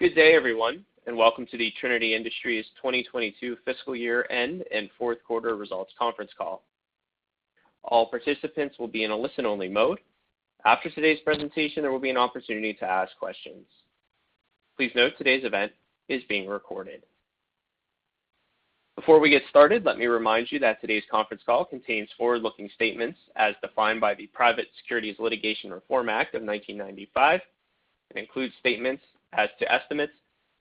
Good day, Everyone, and Welcome to the Trinity Industries 2022 Fiscal Year End and Fourth Quarter Results Conference Call. All participants will be in a listen-only mode. After today's presentation, there will be an opportunity to ask questions. Please note today's event is being recorded. Before we get started, let me remind you that today's conference call contains forward-looking statements as defined by the Private Securities Litigation Reform Act of 1995, and includes statements as to estimates,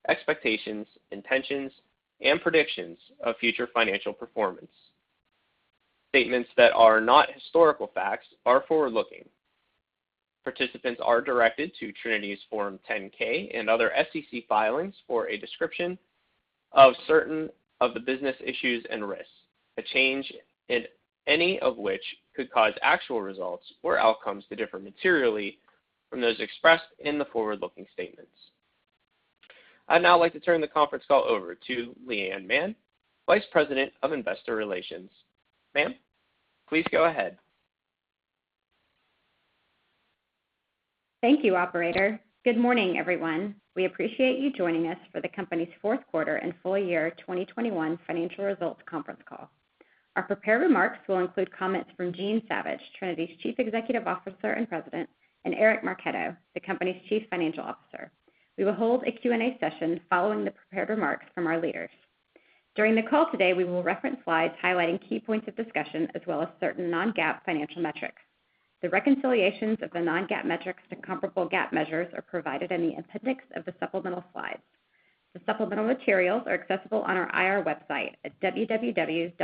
expectations, intentions, and predictions of future financial performance. Statements that are not historical facts are forward-looking. Participants are directed to Trinity's Form 10-K and other SEC filings for a description of certain of the business issues and risks, a change in any of which could cause actual results or outcomes to differ materially from those expressed in the forward-looking statements. I'd now like to turn the conference call over to Leigh Anne Mann, Vice President of Investor Relations. Ma'am, please go ahead. Thank you, operator. Good morning, everyone. We appreciate you joining us for the Company's Fourth Quarter and Full Year 2021 Financial Results Conference Call. Our prepared remarks will include comments from Jean Savage, Trinity's Chief Executive Officer and President, and Eric Marchetto, the company's Chief Financial Officer. We will hold a Q&A session following the prepared remarks from our leaders. During the call today, we will reference slides highlighting key points of discussion as well as certain non-GAAP financial metrics. The reconciliations of the non-GAAP metrics to comparable GAAP measures are provided in the appendix of the supplemental slides. The Supplemental Materials are accessible on our IR website at www.trin.net.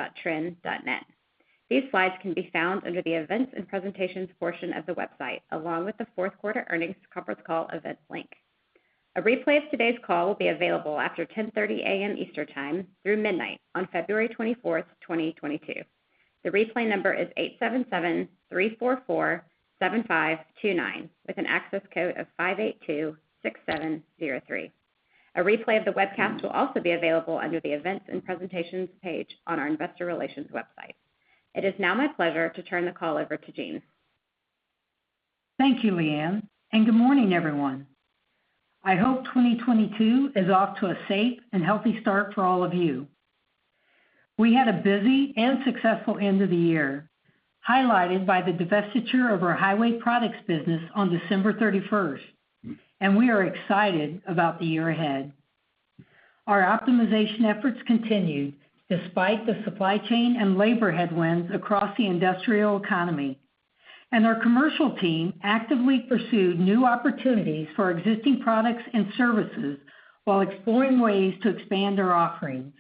These slides can be found under the Events and Presentations portion of the website, along with the fourth quarter Earnings Conference Call Events link. A replay of today's call will be available after 10:30 A.M. Eastern Time through midnight on February 24th, 2022. The replay number is 877-344-7529, with an access code of 5826703. A replay of the webcast will also be available under the Events and Presentations page on our investor relations website. It is now my pleasure to turn the call over to Jean. Thank you, Leigh Anne, and good morning, everyone. I hope 2022 is off to a safe and healthy start for all of you. We had a busy and successful end of the year, highlighted by the divestiture of our Highway Products Business on December 31st, and we are excited about the year ahead. Our optimization efforts continued despite the supply chain and labor headwinds across the industrial economy, and our commercial team actively pursued new opportunities for existing products and services while exploring ways to expand our offerings.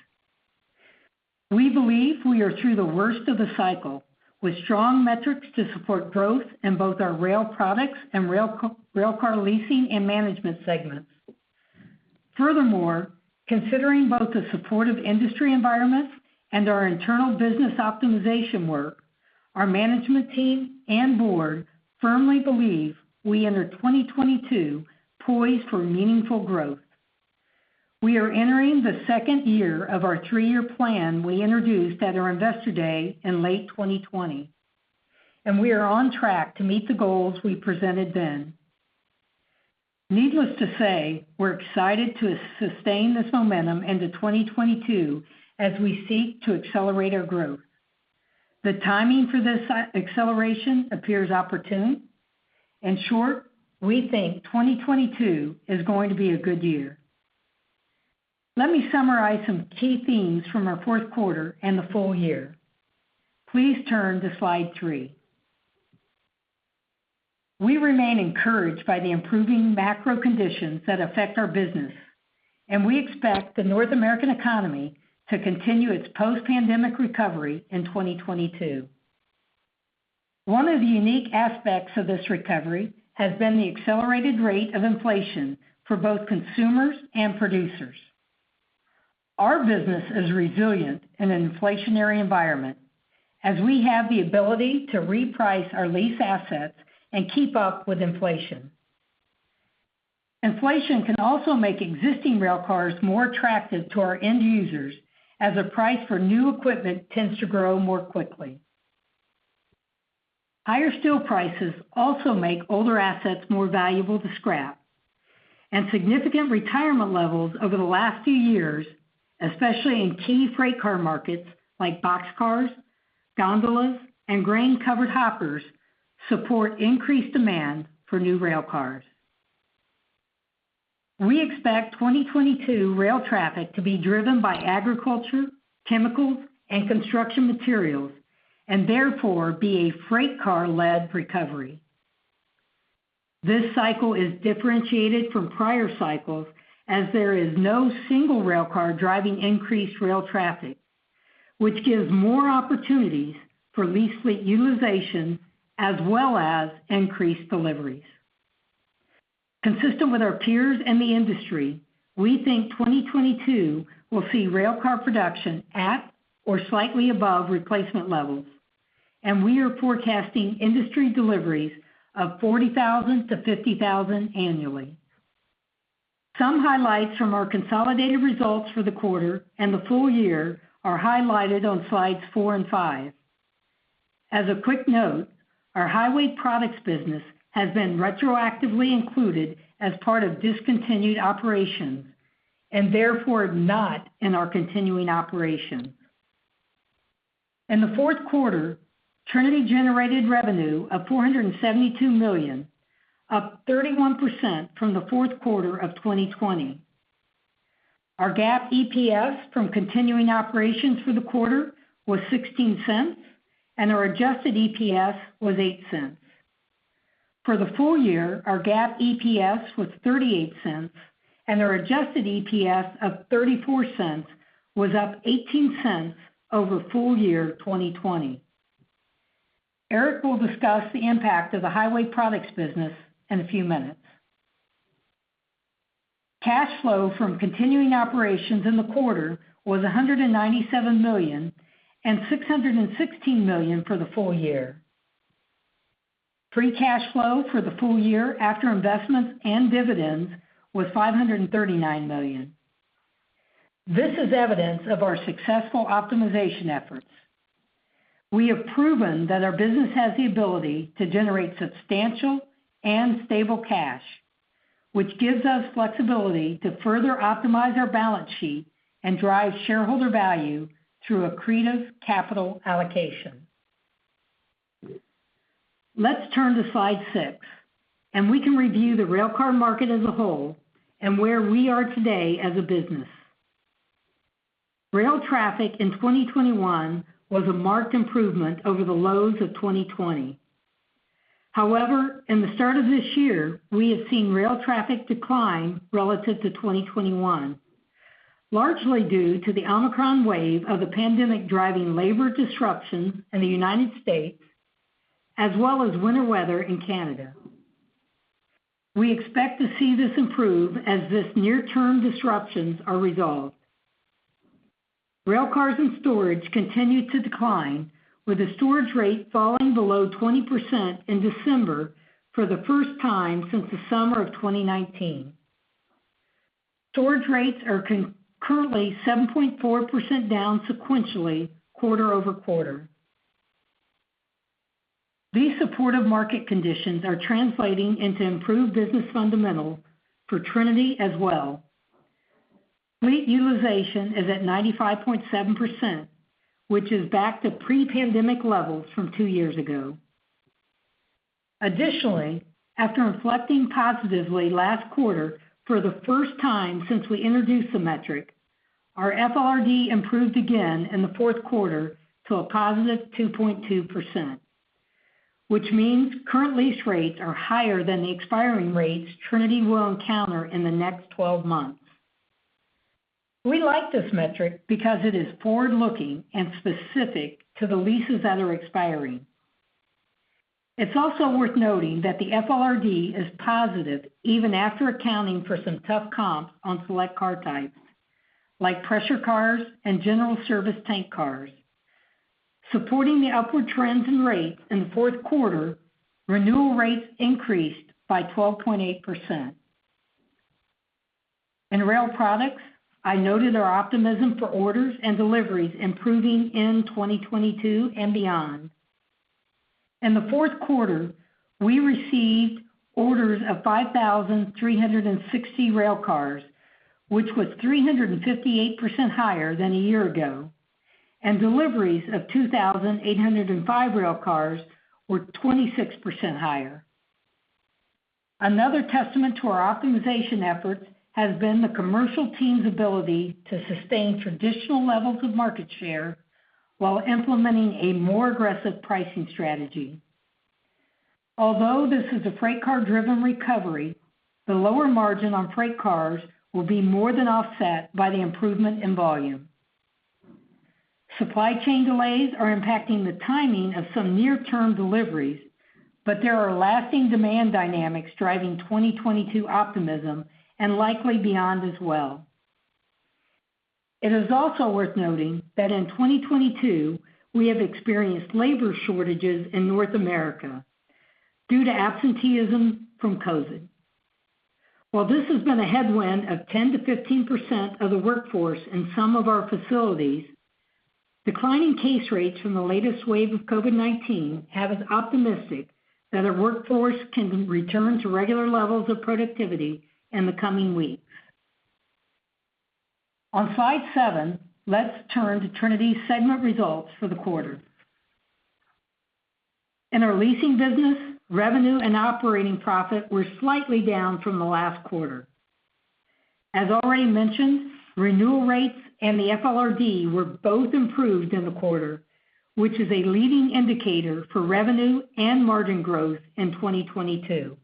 We believe we are through the worst of the cycle, with strong metrics to support growth in both our Rail Products and Railcar leasing and management segments. Furthermore, considering both the supportive industry environment and our Internal Business Optimization work, our management team and board firmly believe we enter 2022 poised for meaningful growth. We are entering the second year of our three-year plan we introduced at our Investor Day in late 2020, and we are on track to meet the goals we presented then. Needless to say, we're excited to sustain this momentum into 2022 as we seek to accelerate our growth. The timing for this acceleration appears opportune. In short, we think 2022 is going to be a good year. Let me summarize some key themes from our fourth quarter and the full year. Please turn to slide three. We remain encouraged by the improving macro conditions that affect our business, and we expect the North American economy to continue its post-pandemic recovery in 2022. One of the unique aspects of this recovery has been the accelerated rate of inflation for both Consumers and Producers. Our business is resilient in an inflationary environment, as we have the ability to reprice our lease assets and keep up with inflation. Inflation can also make existing railcars more attractive to our end users, as the price for new equipment tends to grow more quickly. Higher steel prices also make older assets more valuable to scrap, and significant retirement levels over the last few years, especially in key freight car markets like Boxcars, Gondolas, and Grain-Covered Hoppers, support increased demand for new railcars. We expect 2022 rail traffic to be driven by Agriculture, Chemicals, and Construction Materials, and therefore be a freight car-led recovery. This cycle is differentiated from prior cycles, as there is no single railcar driving increased rail traffic, which gives more opportunities for lease fleet utilization as well as increased deliveries. Consistent with our peers and the industry, we think 2022 will see railcar production at or slightly above replacement levels, and we are forecasting industry deliveries of 40,000-50,000 annually. Some highlights from our consolidated results for the quarter and the full year are highlighted on slides four and five. As a quick note, our Highway Products Business has been retroactively included as part of Discontinued Operations, and therefore not in our continuing operations. In the fourth quarter, Trinity generated revenue of $472 million, up 31% from the fourth quarter of 2020. Our GAAP EPS from continuing operations for the quarter was $0.16, and our Adjusted EPS was $0.08. For the full year, our GAAP EPS was $0.38, and our Adjusted EPS of $0.34 was up 0.18 over full year 2020. Eric will discuss the impact of the Highway Products Business in a few minutes. Cash flow from continuing operations in the quarter was $197 million and 616 million for the full year. Free cash flow for the full year after investments and dividends was $539 million. This is evidence of our successful optimization efforts. We have proven that our business has the ability to generate substantial and stable cash, which gives us flexibility to further optimize our balance sheet and drive shareholder value through accretive capital allocation. Let's turn to slide six, and we can review the railcar market as a whole and where we are today as a business. Rail traffic in 2021 was a marked improvement over the lows of 2020. However, at the start of this year, we have seen rail traffic decline relative to 2021, largely due to the Omicron wave of the pandemic driving labor disruptions in the United States as well as winter weather in Canada. We expect to see this improve as these near-term disruptions are resolved. Railcars in storage continued to decline, with the storage rate falling below 20% in December for the first time since the summer of 2019. Storage rates are currently 7.4% down sequentially quarter-over-quarter. These supportive market conditions are translating into improved business fundamentals for Trinity as well. Fleet utilization is at 95.7%, which is back to pre-pandemic levels from two years ago. Additionally, after reflecting positively last quarter for the first time since we introduced the metric, our FLRD improved again in the fourth quarter to a positive 2.2%, which means current lease rates are higher than the expiring rates Trinity will encounter in the next 12 months. We like this metric because it is forward-looking and specific to the leases that are expiring. It's also worth noting that the FLRD is positive even after accounting for some tough comps on select car types, like pressure cars and general Service Tank Cars. Supporting the upward trends in rates in the fourth quarter, renewal rates increased by 12.8%. In Rail Products, I noted our optimism for orders and deliveries improving in 2022 and beyond. In the fourth quarter, we received orders of 5,360 railcars, which was 358% higher than a year ago, and deliveries of 2,805 railcars were 26% higher. Another testament to our optimization efforts has been the commercial team's ability to sustain traditional levels of market share while implementing a more aggressive pricing strategy. Although this is a freight car-driven recovery, the lower margin on freight cars will be more than offset by the improvement in volume. Supply chain delays are impacting the timing of some near-term deliveries, but there are lasting demand dynamics driving 2022 optimism and likely beyond as well. It is also worth noting that in 2022, we have experienced labor shortages in North America due to absenteeism from COVID. While this has been a headwind of 10%-15% of the workforce in some of our facilities, declining case rates from the latest wave of COVID-19 have us optimistic that our workforce can return to regular levels of productivity in the coming weeks. On slide seven, let's turn to Trinity's segment results for the quarter. In our leasing business, Revenue and Operating Profit were slightly down from the last quarter. As already mentioned, renewal rates and the FLRD were both improved in the quarter, which is a leading indicator for revenue and margin growth in 2022.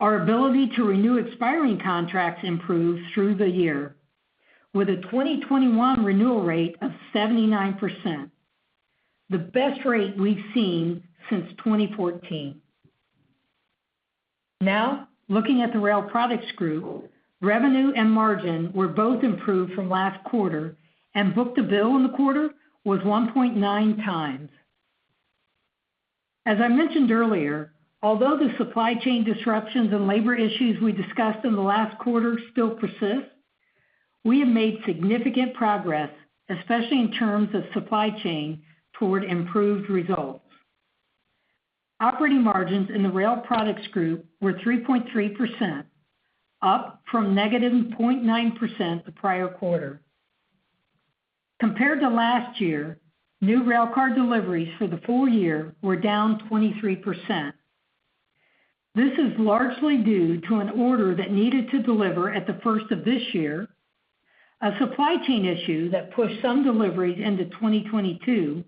Our ability to renew expiring contracts improved through the year with a 2021 renewal rate of 79%, the best rate we've seen since 2014. Now, looking at the Rail Products Group, revenue and margin were both improved from last quarter and book-to-bill in the quarter was 1.9x. As I mentioned earlier, although the supply chain disruptions and labor issues we discussed in the last quarter still persist, we have made significant progress, especially in terms of supply chain, toward improved results. Operating margins in the Rail Products Group were 3.3%, up from -0.9% the prior quarter. Compared to last year, new railcar deliveries for the full year were down 23%. This is largely due to an order that needed to deliver at the first of this year, a supply chain issue that pushed some deliveries into 2022,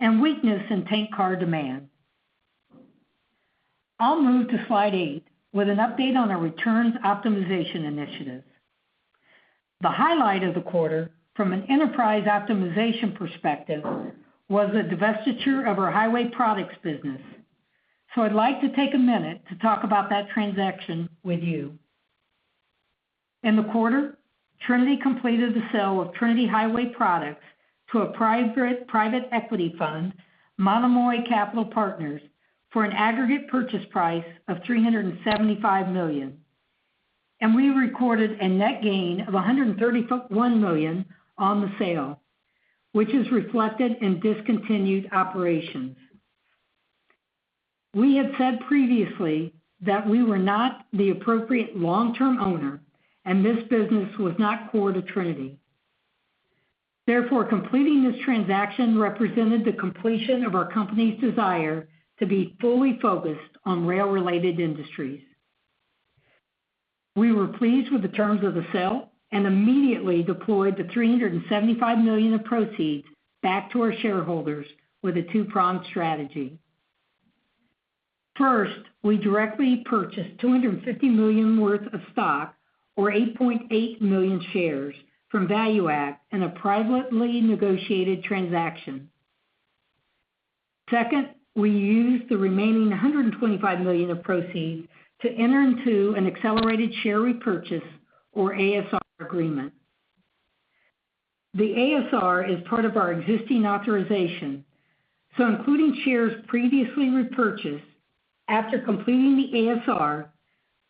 and weakness in Tank Car demand. I'll move to slide eight with an update on our returns optimization initiative. The highlight of the quarter from an enterprise optimization perspective was the divestiture of our Highway Products Business. I'd like to take a minute to talk about that transaction with you. In the quarter, Trinity completed the sale of Trinity Highway Products to a private equity fund, Monomoy Capital Partners, for an aggregate purchase price of $375 million. We recorded a net gain of $131 million on the sale, which is reflected in Discontinued Operations. We have said previously that we were not the appropriate long-term owner and this business was not core to Trinity. Therefore, completing this transaction represented the completion of our company's desire to be fully focused on rail-related industries. We were pleased with the terms of the sale and immediately deployed the $375 million of proceeds back to our shareholders with a two-pronged strategy. First, we directly purchased $250 million worth of stock or 8.8 million shares from ValueAct Capital in a privately negotiated transaction. Second, we used the remaining $125 million of proceeds to enter into an Accelerated Share Repurchase or ASR agreement. The ASR is part of our existing authorization, so including shares previously repurchased, after completing the ASR,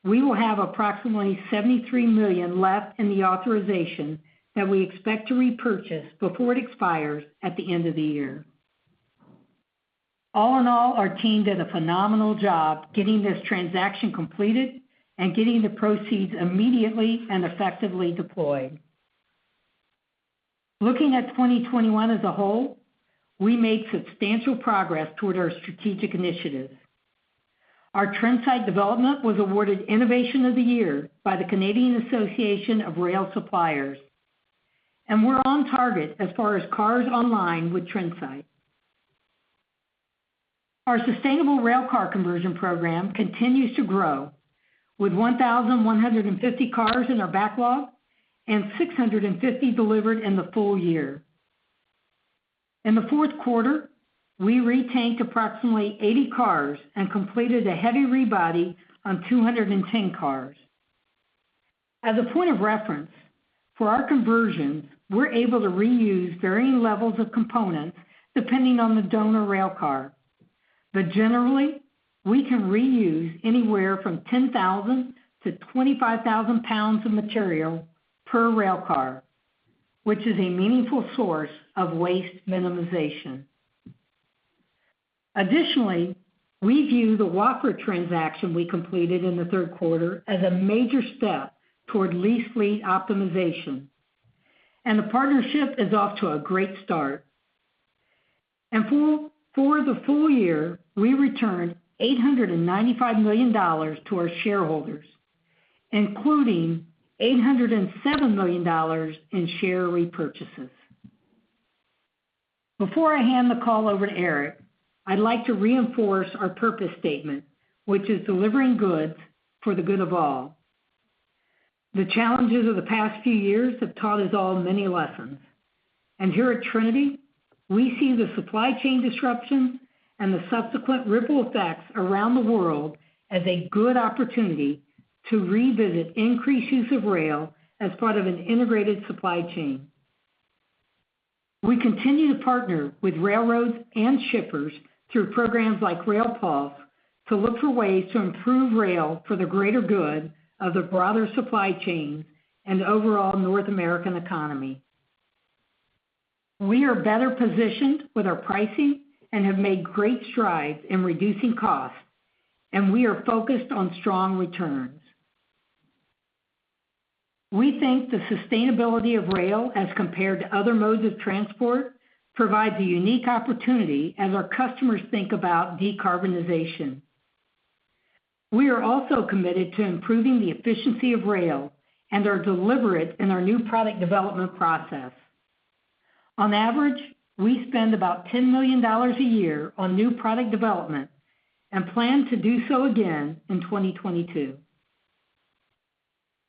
we will have approximately $73 million left in the authorization that we expect to repurchase before it expires at the end of the year. All in all, our team did a phenomenal job getting this transaction completed and getting the proceeds immediately and effectively deployed. Looking at 2021 as a whole, we made substantial progress toward our strategic initiatives. Our Trinsight development was awarded Innovation of the Year by the Canadian Association of Railway Suppliers, and we're on target as far as cars online with Trinsight. Our sustainable railcar conversion program continues to grow with 1,150 cars in our backlog and 650 delivered in the full year. In the fourth quarter, we retanked approximately 80 cars and completed a heavy rebody on 210 cars. As a point of reference, for our conversions, we're able to reuse varying levels of components depending on the donor railcar. Generally, we can reuse anywhere from 10,000 lbs to 25,000 lbs of material per railcar, which is a meaningful source of waste minimization. Additionally, we view the Wafra transaction we completed in the third quarter as a major step toward lease fleet optimization, and the partnership is off to a great start. For the full year, we returned $895 million to our shareholders, including $807 million in Share Repurchases. Before I hand the call over to Eric, I'd like to reinforce our purpose statement, which is delivering goods for the good of all. The challenges of the past few years have taught us all many lessons. Here at Trinity, we see the supply chain disruptions and the subsequent ripple effects around the world as a good opportunity to revisit increased use of rail as part of an integrated supply chain. We continue to partner with Railroads and shippers through programs like RailPulse to look for ways to improve rail for the greater good of the broader supply chain and overall North American economy. We are better positioned with our pricing and have made great strides in reducing costs, and we are focused on strong returns. We think the sustainability of rail as compared to other modes of transport provides a unique opportunity as our customers think about decarbonization. We are also committed to improving the efficiency of rail and are deliberate in our new product development process. On average, we spend about $10 million a year on new product development and plan to do so again in 2022.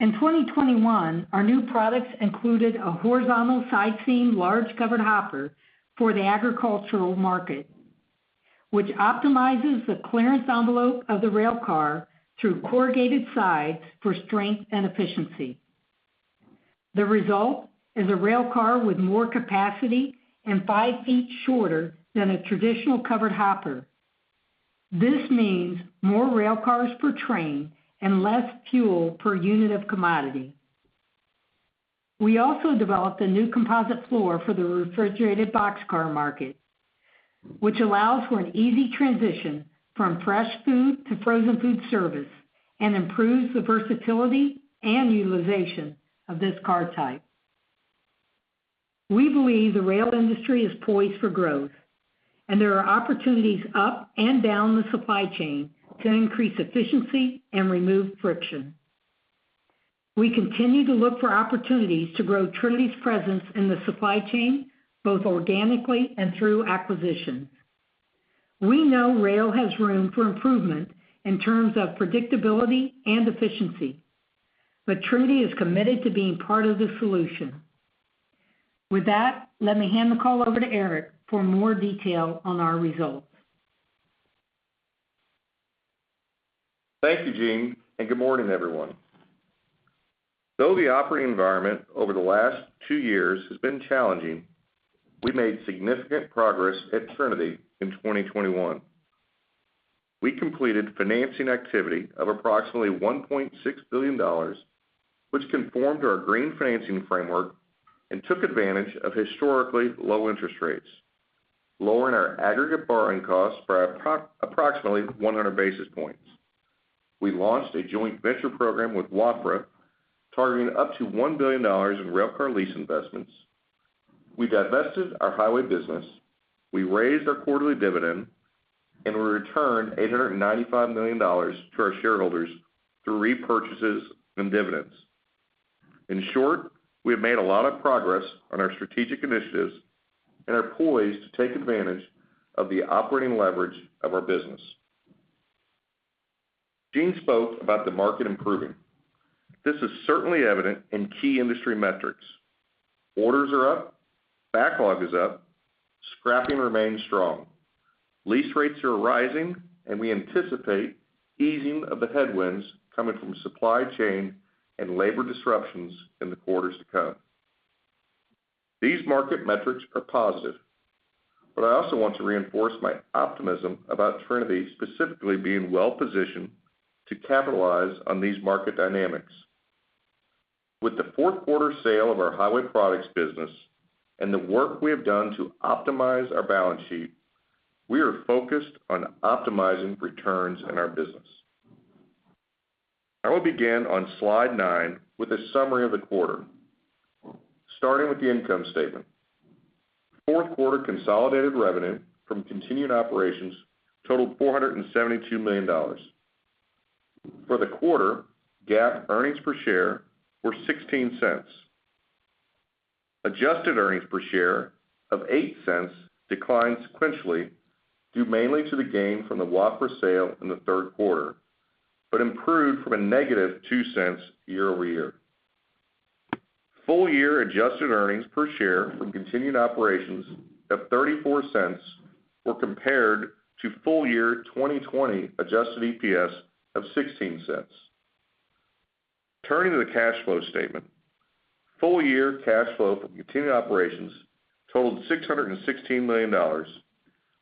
In 2021, our new products included a horizontal side seam large covered hopper for the agricultural market, which optimizes the clearance envelope of the railcar through corrugated sides for strength and efficiency. The result is a railcar with more capacity and 5 ft shorter than a traditional covered hopper. This means more railcars per train and less fuel per unit of commodity. We also developed a new composite floor for the refrigerated box car market, which allows for an easy transition from fresh food to frozen food service and improves the versatility and utilization of this car type. We believe the rail industry is poised for growth, and there are opportunities up and down the supply chain to increase efficiency and remove friction. We continue to look for opportunities to grow Trinity's presence in the supply chain, both organically and through acquisition. We know rail has room for improvement in terms of predictability and efficiency, but Trinity is committed to being part of the solution. With that, let me hand the call over to Eric for more detail on our results. Thank you, Jean, and good morning, everyone. Though the operating environment over the last two years has been challenging, we made significant progress at Trinity in 2021. We completed financing activity of approximately $1.6 billion, which conformed to our Green Financing Framework and took advantage of historically low interest rates, lowering our aggregate borrowing costs by approximately 100 basis points. We launched a joint venture program with Wafra, targeting up to $1 billion in railcar lease investments. We divested our highway business. We raised our Quarterly Dividend, and we returned $895 million to our shareholders through repurchases and dividends. In short, we have made a lot of progress on our strategic initiatives and are poised to take advantage of the operating leverage of our business. Jean spoke about the market improving. This is certainly evident in key industry metrics. Orders are up, backlog is up, scrapping remains strong. Lease rates are rising, and we anticipate easing of the headwinds coming from supply chain and labor disruptions in the quarters to come. These market metrics are positive, but I also want to reinforce my optimism about Trinity specifically being well-positioned to capitalize on these market dynamics. With the fourth quarter sale of our Highway Products Business and the work we have done to optimize our balance sheet, we are focused on optimizing returns in our business. I will begin on slide nine with a summary of the quarter. Starting with the income statement. Fourth quarter consolidated revenue from continuing operations totaled $472 million. For the quarter, GAAP earnings per share were $0.16. Adjusted earnings per share of $0.08 declined sequentially due mainly to the gain from the Wafra sale in the third quarter, but improved from -$0.02 year-over-year. Full year Adjusted Earnings Per Share from continued operations of $0.34 were compared to full year 2020 Adjusted EPS of $0.16. Turning to the cash flow statement. Full year cash flow from continued operations totaled $616 million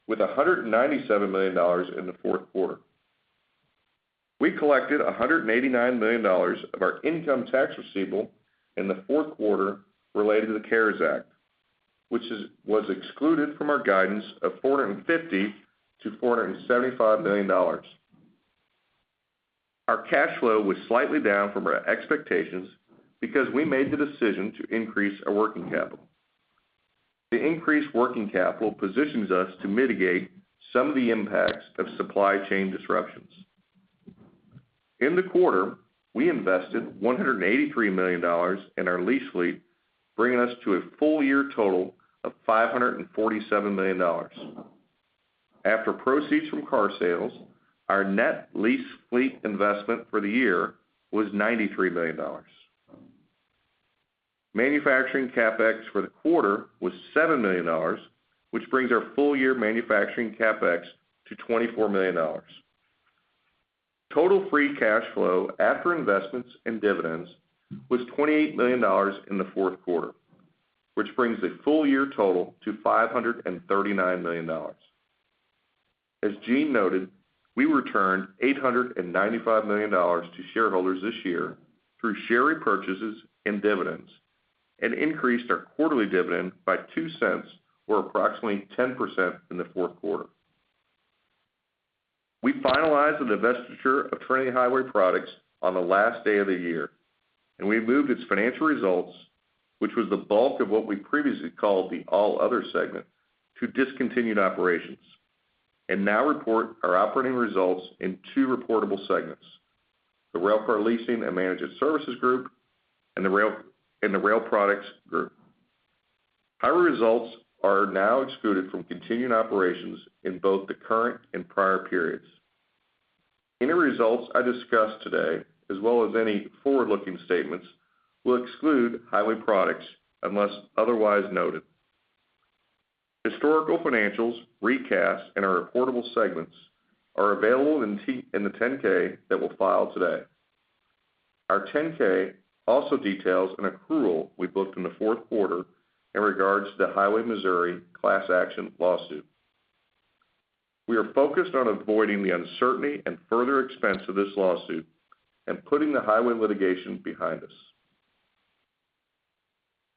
with 197 million in the fourth quarter. We collected $189 million of our income tax receivable in the fourth quarter related to the CARES Act, which was excluded from our guidance of $450 million-475 million. Our cash flow was slightly down from our expectations because we made the decision to increase our working capital. The increased working capital positions us to mitigate some of the impacts of supply chain disruptions. In the quarter, we invested $183 million in our lease fleet, bringing us to a full year total of $547 million. After proceeds from car sales, our net lease fleet investment for the year was $93 million. Manufacturing CapEx for the quarter was $7 million, which brings our full year manufacturing CapEx to $24 million. Total free cash flow after investments and dividends was $28 million in the fourth quarter, which brings the full year total to $539 million. As Jean noted, we returned $895 million to shareholders this year through Share Repurchases and dividends and increased our Quarterly Dividend by $0.02 or approximately 10% in the fourth quarter. We finalized the divestiture of Trinity Highway Products on the last day of the year, and we moved its financial results, which was the bulk of what we previously called the All Other segment, to Discontinued Operations and now report our operating results in two reportable segments, the Railcar Leasing and Management Services Group and the Rail Products Group. Our results are now excluded from continuing operations in both the current and prior periods. Any results I discuss today, as well as any forward-looking statements, will exclude Highway Products unless otherwise noted. Historical financials, recasts and our reportable segments are available in the 10-K that we'll file today. Our 10-K also details an accrual we booked in the fourth quarter in regards to Highway Missouri Class Action Lawsuit. We are focused on avoiding the uncertainty and further expense of this lawsuit and putting the highway litigation behind us.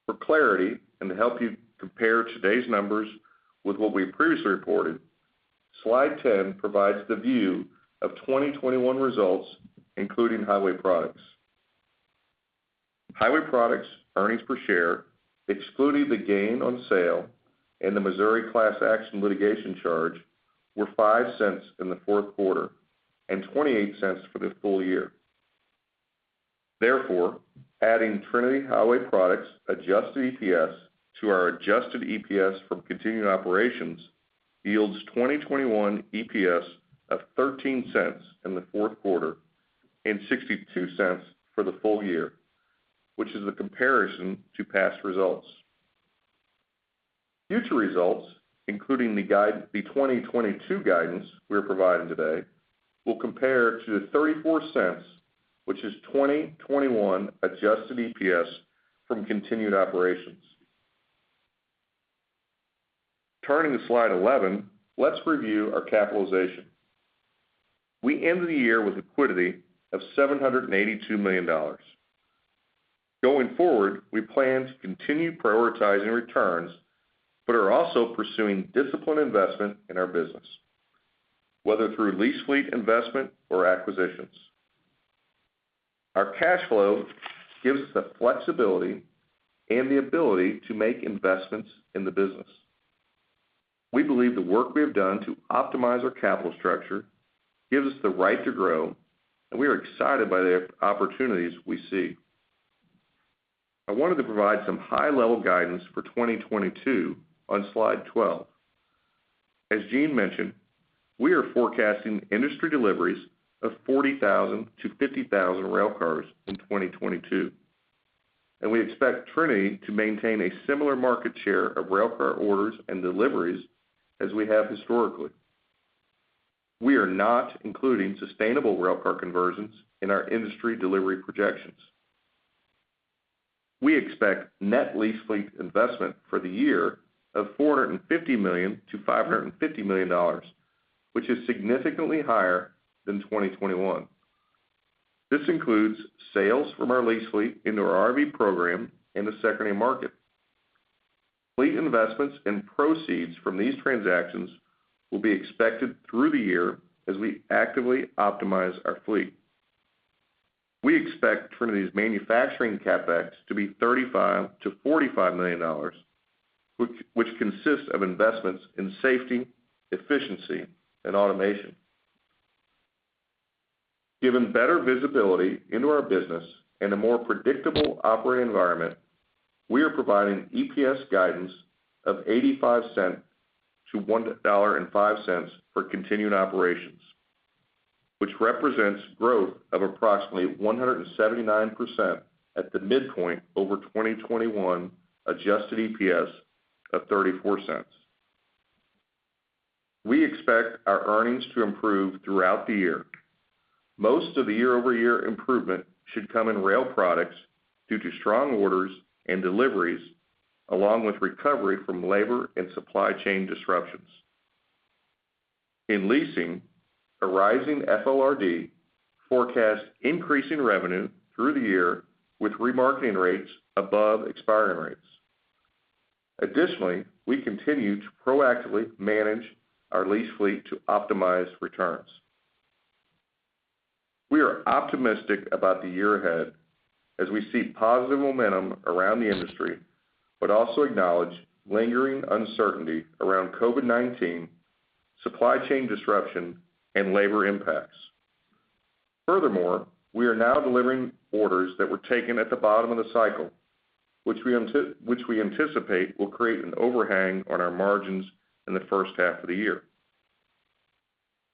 For clarity and to help you compare today's numbers with what we previously reported, slide 10 provides the view of 2021 results including Highway Products. Highway Products earnings per share, excluding the gain on sale and the Missouri class action litigation charge were $0.05 in the fourth quarter and $0.28 for the full year. Therefore, adding Trinity Highway Products Adjusted EPS to our Adjusted EPS from continued operations yields 2021 EPS of $0.13 in the fourth quarter and $0.62 for the full year, which is the comparison to past results. Future results, including the 2022 guidance we are providing today, will compare to the $0.34 which is 2021 Adjusted EPS from continued operations. Turning to slide 11, let's review our capitalization. We ended the year with liquidity of $782 million. Going forward, we plan to continue prioritizing returns, but are also pursuing disciplined investment in our business, whether through lease fleet investment or acquisitions. Our cash flow gives us the flexibility and the ability to make investments in the business. We believe the work we have done to optimize our capital structure gives us the right to grow, and we are excited by the opportunities we see. I wanted to provide some high level guidance for 2022 on slide 12. As Jean mentioned, we are forecasting industry deliveries of 40,000-50,000 railcars in 2022, and we expect Trinity to maintain a similar market share of railcar orders and deliveries as we have historically. We are not including Sustainable Railcar Conversions in our industry delivery projections. We expect net lease fleet investment for the year of $450 million-550 million, which is significantly higher than 2021. This includes sales from our lease fleet into our RIV program in the secondary market. Fleet investments and proceeds from these transactions will be expected through the year as we actively optimize our fleet. We expect Trinity's manufacturing CapEx to be $35 million-45 million, which consists of investments in Safety, Efficiency and Automation. Given better visibility into our business and a more predictable operating environment, we are providing EPS guidance of $0.85-1.05 for continued operations, which represents growth of approximately 179% at the midpoint over 2021 Adjusted EPS of $0.34. We expect our earnings to improve throughout the year. Most of the year-over-year improvement should come in Rail Products due to strong orders and deliveries, along with recovery from labor and supply chain disruptions. In leasing, a rising FLRD forecasts increasing revenue through the year with remarketing rates above expiring rates. Additionally, we continue to proactively manage our lease fleet to optimize returns. We are optimistic about the year ahead as we see positive momentum around the industry, but also acknowledge lingering uncertainty around COVID-19, supply chain disruption and labor impacts. Furthermore, we are now delivering orders that were taken at the bottom of the cycle, which we anticipate will create an overhang on our margins in the first half of the year.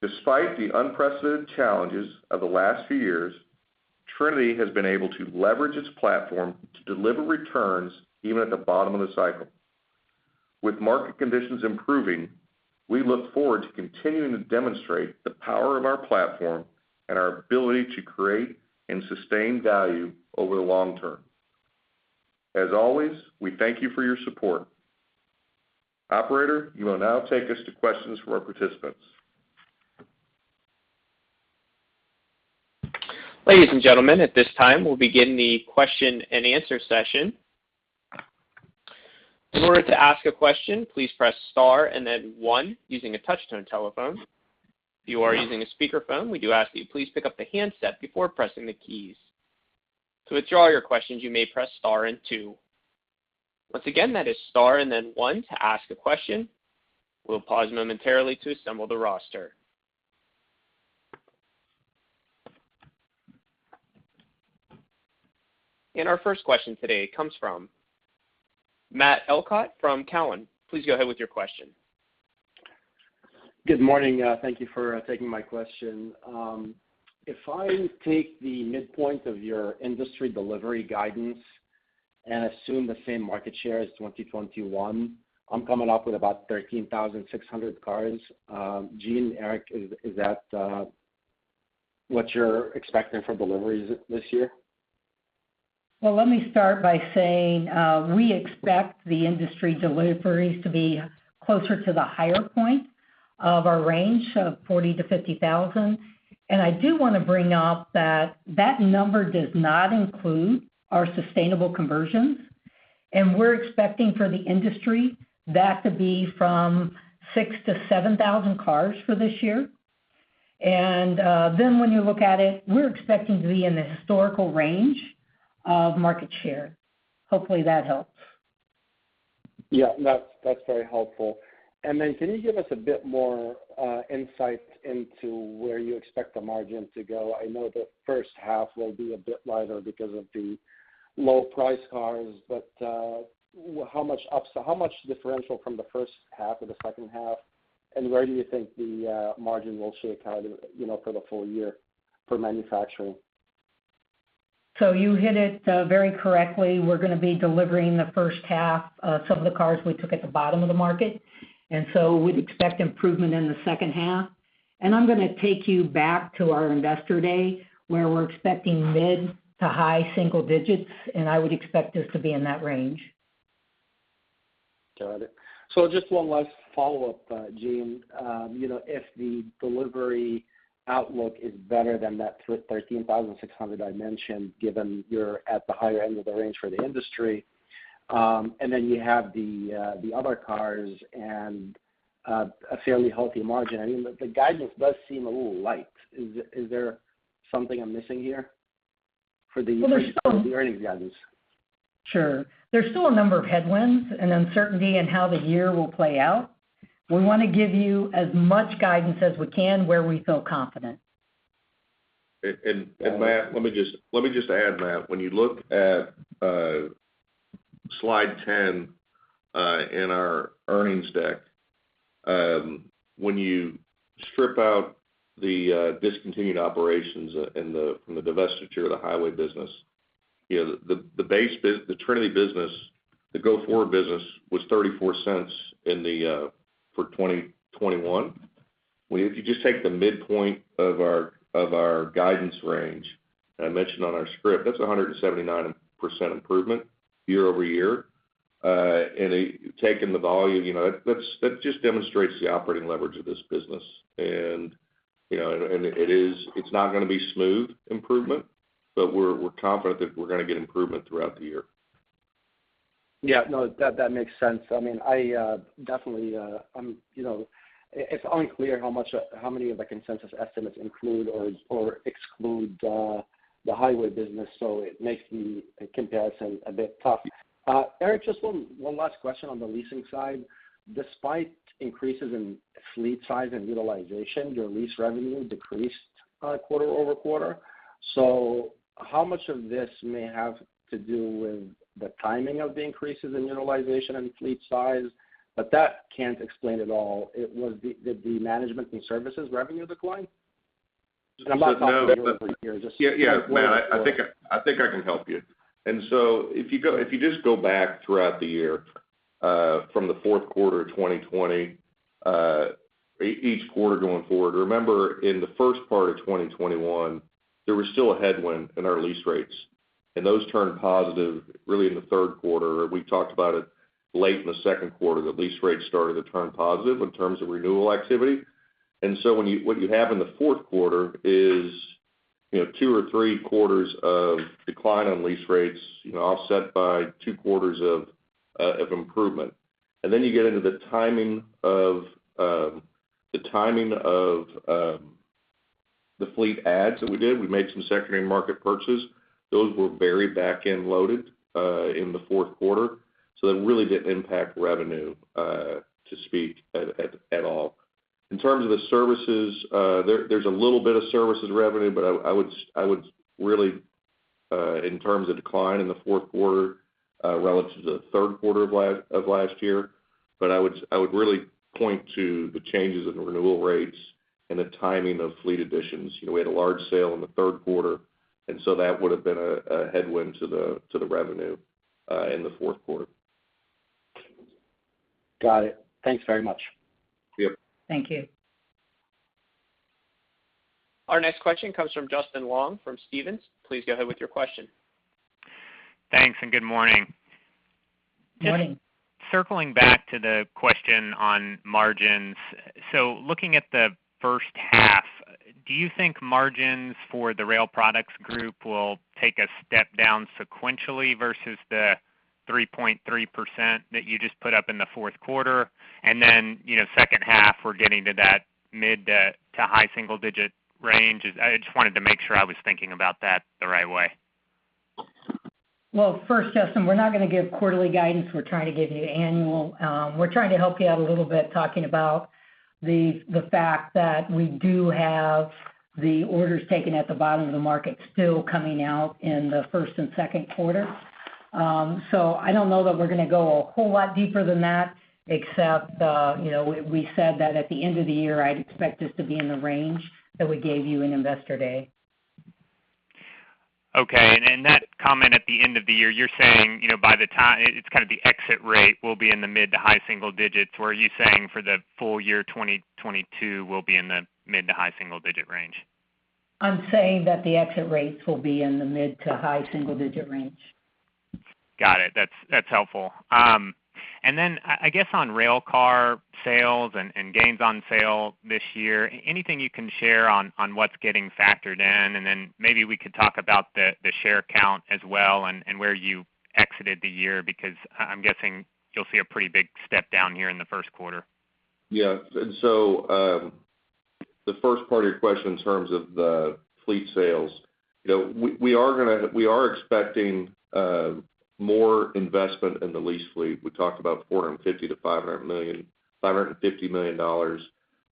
Despite the unprecedented challenges of the last few years, Trinity has been able to leverage its platform to deliver returns even at the bottom of the cycle. With market conditions improving, we look forward to continuing to demonstrate the power of our platform and our ability to create and sustain value over the long term. As always, we thank you for your support. Operator, you will now take us to questions from our participants. Ladies and gentlemen, at this time, we'll begin the question and answer session. In order to ask a question, please press star and then one using a touch-tone telephone. If you are using a speakerphone, we do ask that you please pick up the handset before pressing the keys. To withdraw your questions, you may press star and two. Once again, that is star and then one to ask a question. We'll pause momentarily to assemble the roster. Our first question today comes from Matt Elkott from Cowen. Please go ahead with your question. Good morning. Thank you for taking my question. If I take the midpoint of your industry delivery guidance and assume the same market share as 2021, I'm coming up with about 13,600 cars. Jean, Eric, is that what you're expecting for deliveries this year? Well, let me start by saying, we expect the industry deliveries to be closer to the higher point of our range of 40,000-50,000. I do wanna bring up that that number does not include our sustainable conversions, and we're expecting for the industry that to be from 6,000-7,000 cars for this year. Then when you look at it, we're expecting to be in the historical range of market share. Hopefully, that helps. Yeah. That's very helpful. Then can you give us a bit more insight into where you expect the margin to go? I know the first half will be a bit lighter because of the low price cars, but how much differential from the first half or the second half, and where do you think the margin will shake out, you know, for the full year for manufacturing? You hit it, very correctly. We're gonna be delivering the first half, some of the cars we took at the bottom of the market, and so we'd expect improvement in the second half. I'm gonna take you back to our Investor Day, where we're expecting mid- to high-single digits, and I would expect this to be in that range. Got it. Just one last follow-up, Jean. You know, if the delivery outlook is better than that 13,600 I mentioned, given you're at the higher end of the range for the industry, and then you have the other cars and a fairly healthy margin, I mean, the guidance does seem a little light. Is there something I'm missing here for the- Well, there's still- Earnings guidance? Sure. There's still a number of headwinds and uncertainty in how the year will play out. We wanna give you as much guidance as we can where we feel confident. Matt, let me just add, Matt. When you look at slide 10 in our earnings deck, when you strip out the Discontinued Operations and from the divestiture of the highway business, you know, the Trinity business, the go-forward business was $0.34 for 2021. If you just take the midpoint of our guidance range that I mentioned on our script, that's a 179% improvement year-over-year. Taking the volume, you know, that just demonstrates the operating leverage of this business. You know, it's not gonna be smooth improvement, but we're confident that we're gonna get improvement throughout the year. Yeah. No. That makes sense. I mean, I definitely you know. It's unclear how many of the consensus estimates include or exclude the highway business, so it makes the comparison a bit tough. Eric, just one last question on the leasing side. Despite increases in fleet size and utilization, your lease revenue decreased quarter-over-quarter. How much of this may have to do with the timing of the increases in utilization and fleet size? That can't explain it all. Did the management and services revenue decline? Matt, I think I can help you. If you just go back throughout the year from the fourth quarter of 2020 each quarter going forward, remember, in the first part of 2021 there was still a headwind in our lease rates, and those turned positive really in the third quarter. We talked about it late in the second quarter that lease rates started to turn positive in terms of renewal activity. What you have in the fourth quarter is, you know, two or three quarters of decline on lease rates, you know, offset by two quarters of improvement. Then you get into the timing of the fleet adds that we did. We made some secondary market purchases. Those were very back-end loaded in the fourth quarter, so they really didn't impact revenue to speak of at all. In terms of the services, there's a little bit of services revenue, but I would really, in terms of decline in the fourth quarter relative to the third quarter of last year, but I would really point to the changes in renewal rates and the timing of fleet additions. You know, we had a large sale in the third quarter, and so that would have been a headwind to the revenue in the fourth quarter. Got it. Thanks very much. Yep. Thank you. Our next question comes from Justin Long from Stephens. Please go ahead with your question. Thanks, and Good morning. Morning. Circling back to the question on margins, so looking at the first half, do you think margins for the Rail Products Group will take a step down sequentially versus the 3.3% that you just put up in the fourth quarter? You know, second half, we're getting to that mid to high single digit range. I just wanted to make sure I was thinking about that the right way. Well, first, Justin, we're not gonna give quarterly guidance. We're trying to give you annual. We're trying to help you out a little bit talking about the fact that we do have the orders taken at the bottom of the market still coming out in the first and second quarter. I don't know that we're gonna go a whole lot deeper than that except, you know, we said that at the end of the year, I'd expect us to be in the range that we gave you in Investor Day. Okay. In that comment at the end of the year, you're saying, you know, it's kinda the exit rate will be in the mid- to high-single-digits%. Were you saying for the full year 2022 will be in the mid- to high-single-digit range? I'm saying that the exit rates will be in the mid to high single digit range. Got it. That's helpful. I guess on railcar sales and gains on sale this year, anything you can share on what's getting factored in? Maybe we could talk about the share count as well and where you exited the year because I'm guessing you'll see a pretty big step down here in the first quarter. Yeah, the first part of your question in terms of the fleet sales, you know, we are expecting more investment in the lease fleet. We talked about $450 million-550 million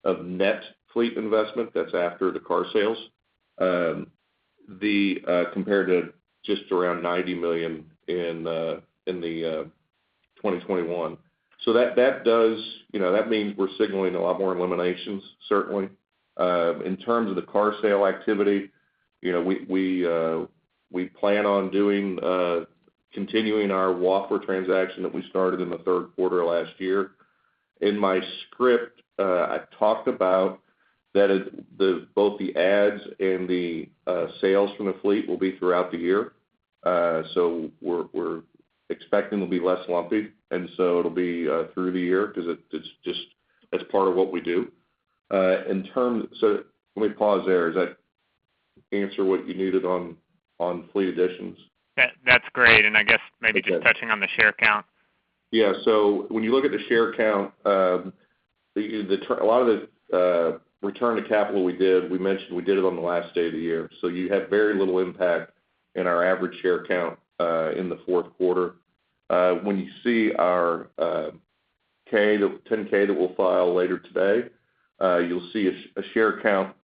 of net fleet investment, that's after the car sales. Compared to just around $90 million in 2021. That does, you know, that means we're signaling a lot more investments certainly. In terms of the car sale activity, you know, we plan on continuing our Wafra transaction that we started in the third quarter last year. In my script, I talked about that both the adds and the sales from the fleet will be throughout the year. We're expecting to be less lumpy, and it'll be through the year 'cause it's just as part of what we do. Let me pause there. Does that answer what you needed on fleet additions? That's great. I guess maybe just touching on the share count. Yeah. When you look at the share count, a lot of the return to capital we did, we mentioned we did it on the last day of the year. You had very little impact in our average share count in the fourth quarter. When you see our 10-K that we'll file later today, you'll see a share count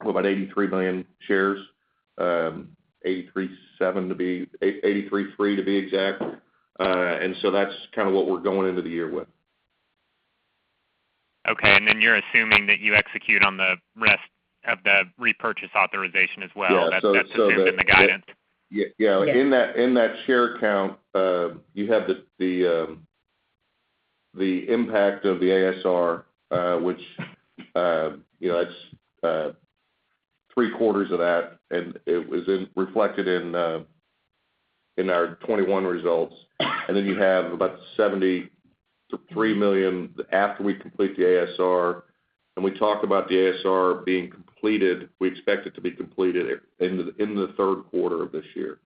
of about 83 million shares, 83.3 to be exact. That's kinda what we're going into the year with. Okay. You're assuming that you execute on the rest of the repurchase authorization as well. Yeah. That's assumed in the guidance. Yeah. Yeah. Yeah. In that share count, you have the impact of the ASR, which, you know, that's three quarters of that, and it was reflected in our 2021 results. Then you have about $73 million after we complete the ASR. When we talk about the ASR being completed, we expect it to be completed in the third quarter of this year.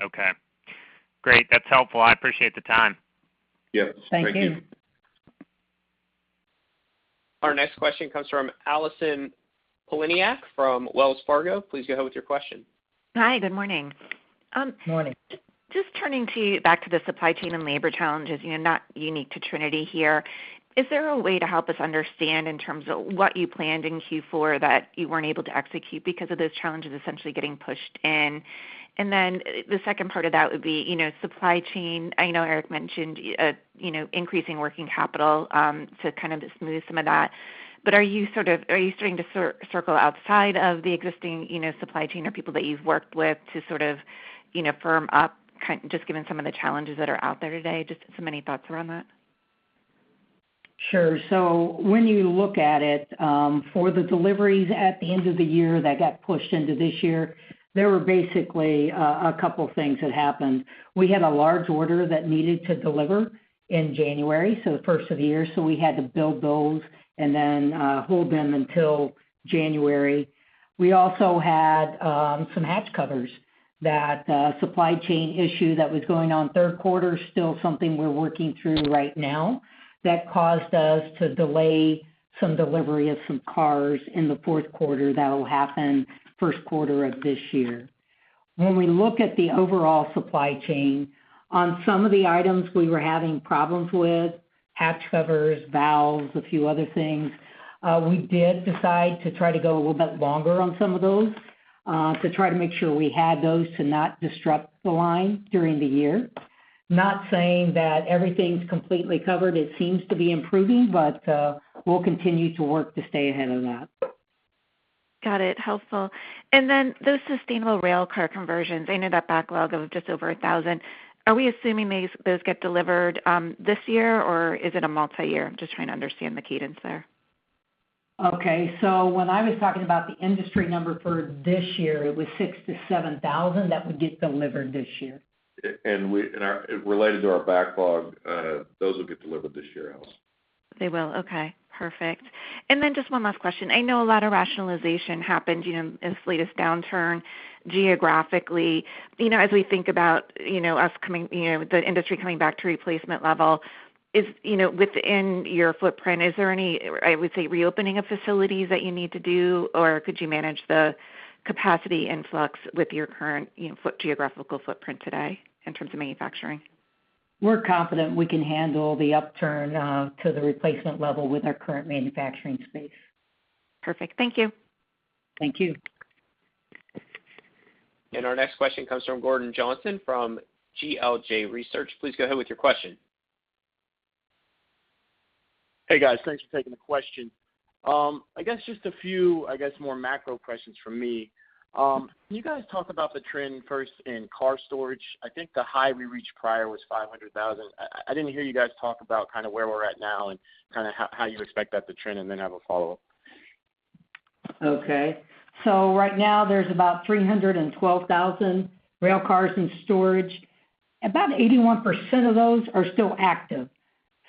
Okay. Great. That's helpful. I appreciate the time. Yes. Thank you. Thank you. Our next question comes from Allison Poliniak from Wells Fargo. Please go ahead with your question. Hi, good morning. Morning. Just turning back to the supply chain and labor challenges, you know, not unique to Trinity here. Is there a way to help us understand in terms of what you planned in Q4 that you weren't able to execute because of those challenges essentially getting pushed in? Then the second part of that would be, you know, supply chain. I know Eric mentioned, you know, increasing working capital to kind of smooth some of that. But are you starting to circle outside of the existing, you know, supply chain or people that you've worked with to sort of, you know, firm up just given some of the challenges that are out there today? Just some any thoughts around that. Sure. When you look at it, for the deliveries at the end of the year that got pushed into this year, there were basically a couple of things that happened. We had a large order that needed to deliver in January, so the first of the year, so we had to build those and then hold them until January. We also had some hatch covers that supply chain issue that was going on third quarter, still something we're working through right now, that caused us to delay some delivery of some cars in the fourth quarter that'll happen first quarter of this year. When we look at the overall supply chain, on some of the items we were having problems with, hatch covers, valves, a few other things, we did decide to try to go a little bit longer on some of those, to try to make sure we had those to not disrupt the line during the year. Not saying that everything's completely covered. It seems to be improving, but we'll continue to work to stay ahead of that. Got it. Helpful. Then those Sustainable Railcar Conversions, they ended up with a backlog of just over 1,000. Are we assuming those get delivered this year, or is it a multi-year? I'm just trying to understand the cadence there. Okay. When I was talking about the industry number for this year, it was 6,000-7,000 that would get delivered this year. Related to our backlog, those will get delivered this year, Allison. They will. Okay, perfect. Just one last question. I know a lot of rationalization happened, you know, in this latest downturn geographically. You know, as we think about, you know, us coming, you know, the industry coming back to replacement level, you know, within your footprint, is there any, I would say, reopening of facilities that you need to do, or could you manage the capacity influx with your current, you know, geographical footprint today in terms of manufacturing? We're confident we can handle the upturn to the replacement level with our current manufacturing space. Perfect. Thank you. Thank you. Our next question comes from Gordon Johnson from GLJ Research. Please go ahead with your question. Hey, guys. Thanks for taking the question. I guess just a few, I guess, more macro questions from me. Can you guys talk about the trend first in car storage? I think the high we reached prior was 500,000. I didn't hear you guys talk about kind of where we're at now and kind of how you expect that to trend, and then I have a follow-up. Okay. Right now there's about 312,000 railcars in storage. About 81% of those are still active.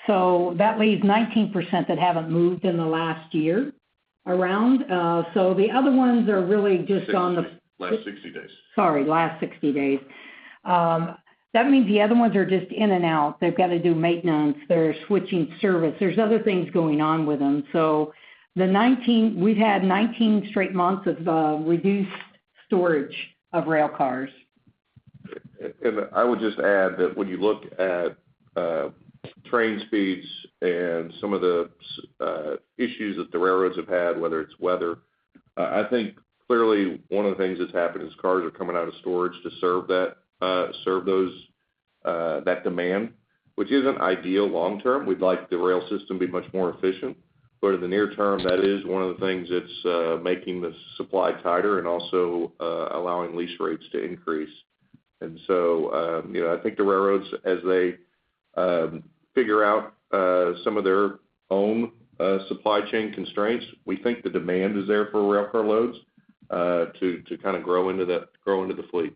That leaves 19% that haven't moved in the last year around. The other ones are really just on the- 60. Last 60 days. Sorry, last 60 days. That means the other ones are just in and out. They've got to do maintenance. They're switching service. There's other things going on with them. We've had 19 straight months of reduced storage of railcars. I would just add that when you look at train speeds and some of the issues that the Railroads have had, whether it's weather, I think clearly one of the things that's happened is cars are coming out of storage to serve that demand, which isn't ideal long term. We'd like the rail system to be much more efficient. In the near term, that is one of the things that's making the supply tighter and also allowing lease rates to increase. You know, I think the Railroads, as they figure out some of their own supply chain constraints, we think the demand is there for railcar loads to kind of grow into the fleet.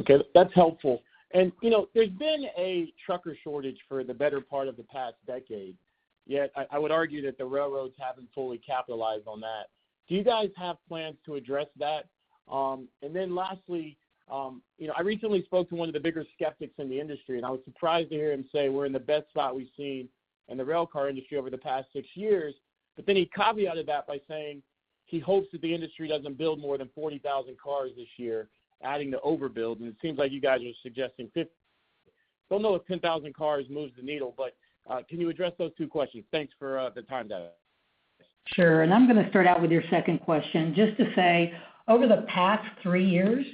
Okay, that's helpful. You know, there's been a trucker shortage for the better part of the past decade, yet I would argue that the Railroads haven't fully capitalized on that. Do you guys have plans to address that? Lastly, you know, I recently spoke to one of the bigger skeptics in the industry, and I was surprised to hear him say we're in the best spot we've seen in the railcar industry over the past six years. But then he caveated that by saying he hopes that the industry doesn't build more than 40,000 cars this year, adding to overbuild. It seems like you guys are suggesting, don't know if 10,000 cars moves the needle, but can you address those two questions? Thanks for the time, guys. Sure. I'm gonna start out with your second question, just to say over the past three years,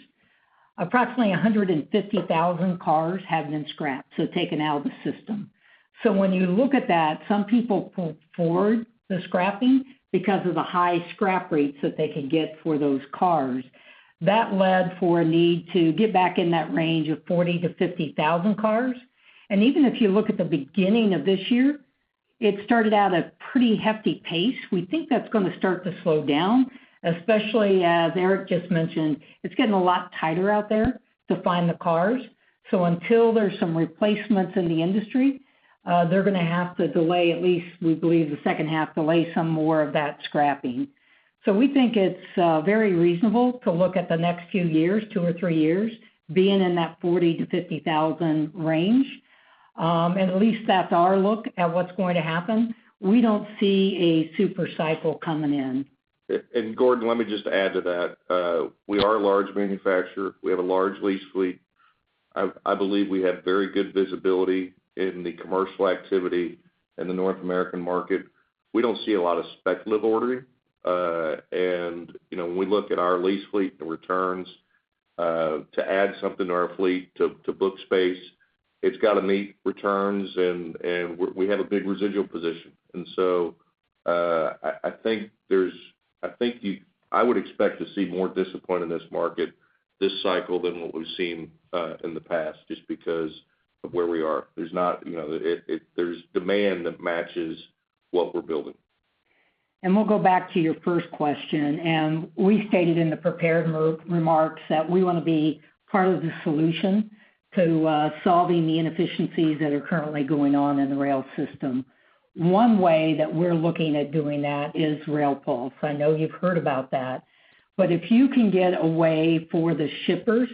approximately 150,000 cars have been scrapped, so taken out of the system. When you look at that, some people pulled forward the scrapping because of the high scrap rates that they could get for those cars. That led to a need to get back in that range of 40,000-50,000 cars. Even if you look at the beginning of this year, it started at a pretty hefty pace. We think that's gonna start to slow down, especially as Eric just mentioned, it's getting a lot tighter out there to find the cars. Until there's some replacements in the industry, they're gonna have to delay, at least we believe the second half, delay some more of that scrapping. We think it's very reasonable to look at the next few years, two or three years, being in that 40,000 to 50,000 range. At least that's our look at what's going to happen. We don't see a super cycle coming in. Gordon, let me just add to that. We are a large manufacturer. We have a large lease fleet. I believe we have very good visibility in the commercial activity in the North American market. We don't see a lot of speculative ordering. You know, when we look at our lease fleet, the returns to add something to our fleet, to book space, it's got to meet returns and we have a big residual position. I think I would expect to see more discipline in this market this cycle than what we've seen in the past just because of where we are. There's not, you know, there's demand that matches what we're building. We'll go back to your first question, and we stated in the prepared remarks that we want to be part of the solution to solving the inefficiencies that are currently going on in the rail system. One way that we're looking at doing that is RailPulse. I know you've heard about that. If you can get a way for the shippers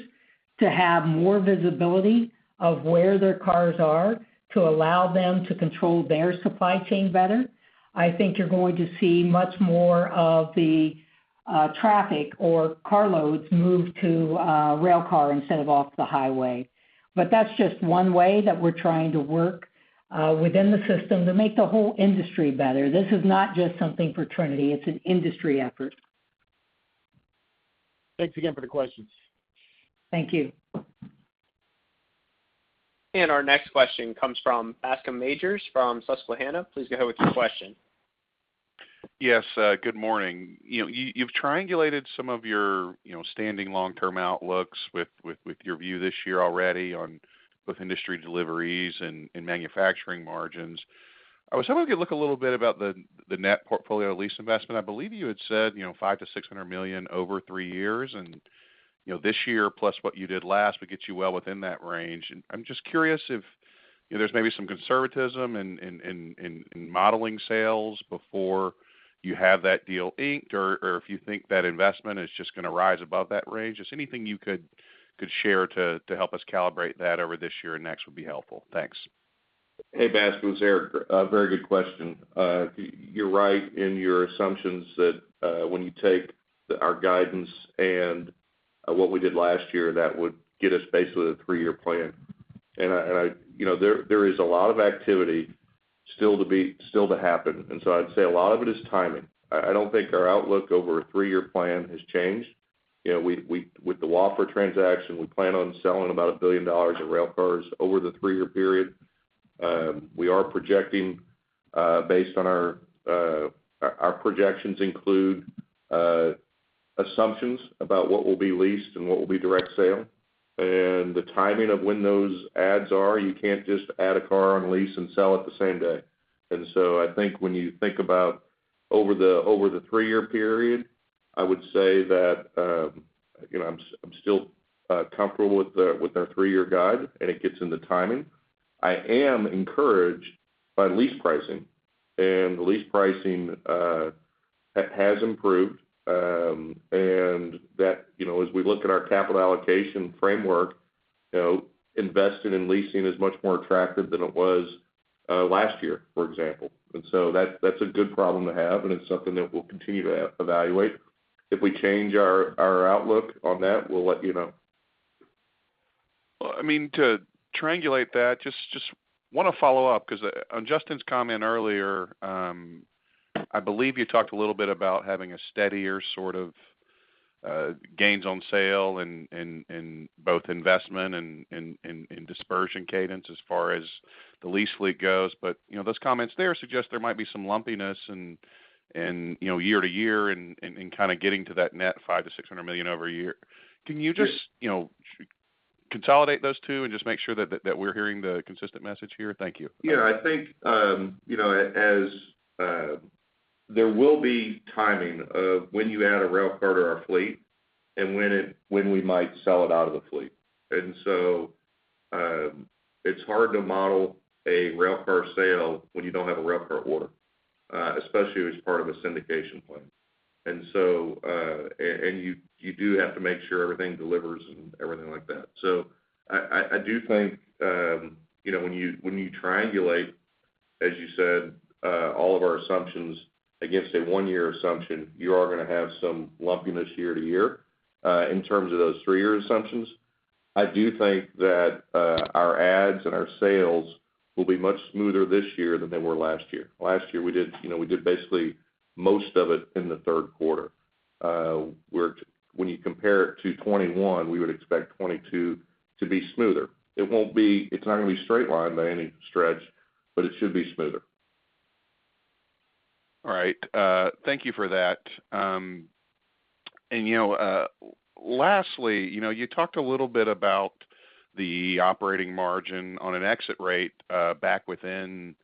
to have more visibility of where their cars are to allow them to control their supply chain better, I think you're going to see much more of the traffic or car loads move to a railcar instead of off the highway. That's just one way that we're trying to work within the system to make the whole industry better. This is not just something for Trinity, it's an industry effort. Thanks again for the questions. Thank you. Our next question comes from Bascome Majors from Susquehanna. Please go ahead with your question. Yes, good morning. You know, you've triangulated some of your, you know, standing long-term outlooks with your view this year already on with industry deliveries and manufacturing margins. I was hoping you'd talk a little bit about the net portfolio lease investment. I believe you had said, you know, $500 million-600 million over three years. You know, this year plus what you did last would get you well within that range. I'm just curious if, you know, there's maybe some conservatism in modeling sales before you have that deal inked, or if you think that investment is just gonna rise above that range. Just anything you could share to help us calibrate that over this year and next would be helpful. Thanks. Hey, Bascom, it's Eric. Very good question. You're right in your assumptions that, when you take our guidance and, what we did last year, that would get us basically a three-year plan. I you know, there is a lot of activity still to happen. I'd say a lot of it is timing. I don't think our outlook over a three-year plan has changed. You know, we with the Wafra transaction, we plan on selling about $1 billion of railcars over the three-year period. We are projecting, based on our. Our projections include, assumptions about what will be leased and what will be direct sale. The timing of when those adds are, you can't just add a car on lease and sell it the same day. I think when you think about over the three-year period, I would say that, you know, I'm still comfortable with our three-year guide, and it gets into timing. I am encouraged by lease pricing. The lease pricing has improved. That, you know, as we look at our capital allocation framework, you know, investing in leasing is much more attractive than it was last year, for example. That's a good problem to have, and it's something that we'll continue to evaluate. If we change our outlook on that, we'll let you know. Well, I mean, to triangulate that, just wanna follow up, 'cause on Justin's comment earlier, I believe you talked a little bit about having a steadier sort of gains on sale in both investment and disposition cadence as far as the lease fleet goes. You know, those comments there suggest there might be some lumpiness and year-to-year and kind of getting to that net $500 million-600 million over a year. Can you just- Yeah You know, consolidate those two and just make sure that we're hearing the consistent message here? Thank you. Yeah. I think, you know, there will be timing of when you add a railcar to our fleet and when we might sell it out of the fleet. It's hard to model a railcar sale when you don't have a railcar order, especially as part of a syndication plan. You do have to make sure everything delivers and everything like that. I do think, you know, when you triangulate, as you said, all of our assumptions against a one-year assumption, you are gonna have some lumpiness year-to-year, in terms of those three-year assumptions. I do think that our adds and our sales will be much smoother this year than they were last year. Last year, we did, you know, basically most of it in the third quarter. When you compare it to 2021, we would expect 2022 to be smoother. It's not gonna be straight line by any stretch, but it should be smoother. All right. Thank you for that. And you know, lastly, you know, you talked a little bit about the operating margin on an exit rate back within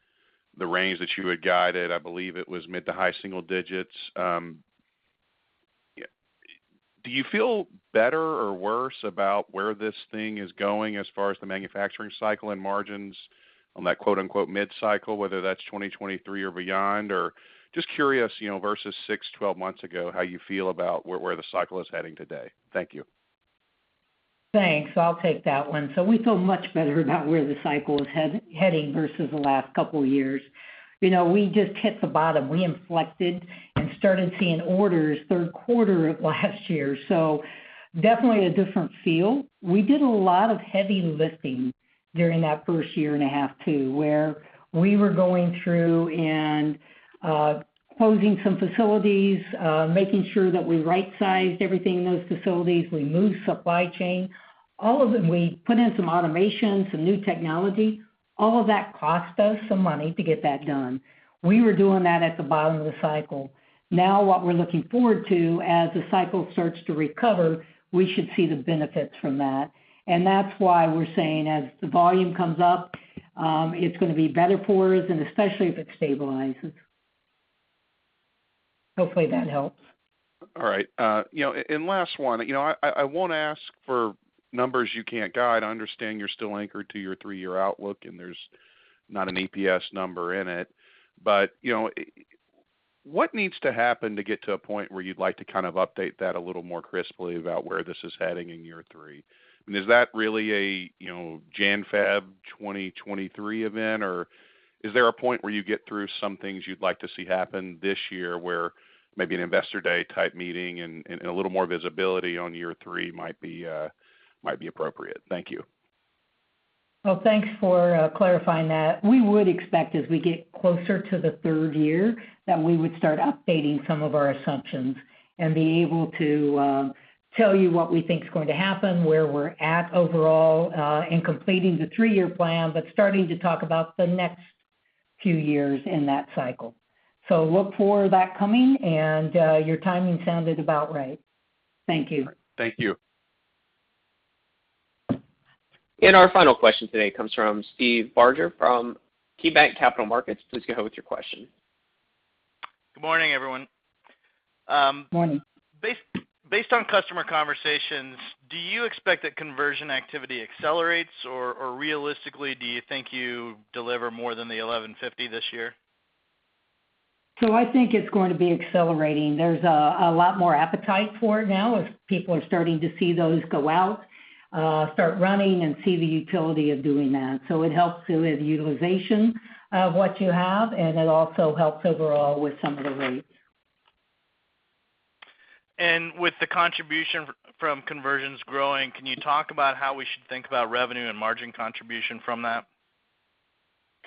the range that you had guided. I believe it was mid- to high-single digits%. Do you feel better or worse about where this thing is going as far as the manufacturing cycle and margins on that quote-unquote mid-cycle, whether that's 2023 or beyond? Or just curious, you know, versus 6, 12 months ago, how you feel about where the cycle is heading today. Thank you. Thanks. I'll take that one. We feel much better about where the cycle is heading versus the last couple years. You know, we just hit the bottom. We inflected and started seeing orders third quarter of last year. Definitely a different feel. We did a lot of heavy lifting during that first year and a half too, where we were going through and closing some facilities, making sure that we right-sized everything in those facilities. We moved supply chain. All of it. We put in some automation, some new technology. All of that cost us some money to get that done. We were doing that at the bottom of the cycle. Now what we're looking forward to as the cycle starts to recover, we should see the benefits from that. And that's why we're saying as the volume comes up, it's gonna be better for us and especially if it stabilizes. Hopefully that helps. All right. You know, last one. You know, I won't ask for numbers you can't guide. I understand you're still anchored to your three-year outlook, and there's not an EPS number in it. But, you know, what needs to happen to get to a point where you'd like to kind of update that a little more crisply about where this is heading in year three? I mean, is that really a, you know, January, February 2023 event? Or is there a point where you get through some things you'd like to see happen this year where maybe an Investor Day type meeting and a little more visibility on year three might be appropriate? Thank you. Well, thanks for clarifying that. We would expect as we get closer to the third year, that we would start updating some of our assumptions and be able to tell you what we think is going to happen, where we're at overall in completing the three-year plan, but starting to talk about the next few years in that cycle. Look for that coming, and your timing sounded about right. Thank you. Thank you. Our final question today comes from Steve Barger from KeyBanc Capital Markets. Please go ahead with your question. Good morning, everyone. Morning. Based on customer conversations, do you expect that conversion activity accelerates, or realistically, do you think you deliver more than the 1,150 this year? I think it's going to be accelerating. There's a lot more appetite for it now as people are starting to see those go out, start running and see the utility of doing that. It helps with utilization of what you have, and it also helps overall with some of the rates. With the contribution from conversions growing, can you talk about how we should think about revenue and margin contribution from that?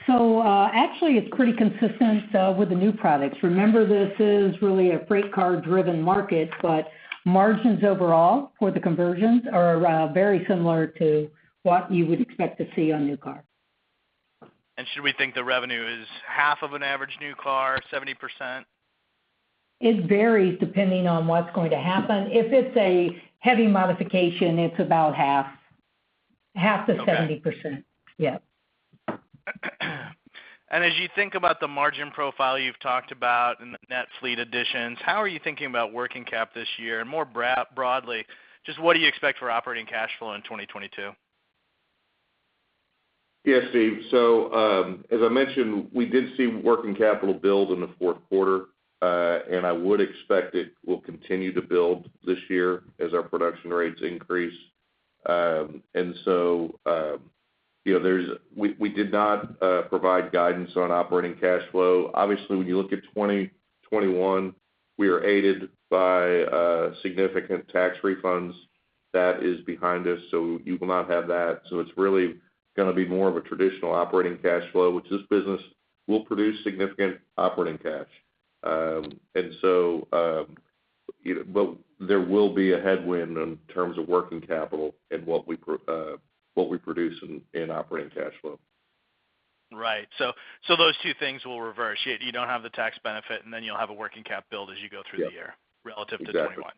Actually, it's pretty consistent with the new products. Remember, this is really a freight car-driven market, but margins overall for the conversions are very similar to what you would expect to see on new car. Should we think the revenue is half of an average new car, 70%? It varies depending on what's going to happen. If it's a heavy modification, it's about 50%-70%. Okay. Yes. As you think about the margin profile you've talked about net fleet additions, how are you thinking about working cap this year? More broadly, just what do you expect for operating cash flow in 2022? Yes, Steve. As I mentioned, we did see working capital build in the fourth quarter, and I would expect it will continue to build this year as our production rates increase. We did not provide guidance on operating cash flow. Obviously, when you look at 2021, we are aided by significant tax refunds. That is behind us, so you will not have that. It's really gonna be more of a traditional operating cash flow, which this business will produce significant operating cash. There will be a headwind in terms of working capital and what we produce in operating cash flow. Right. Those two things will reverse. You don't have the tax benefit, and then you'll have a working capital build as you go through the year. Yeah. Relative to 21. Exactly.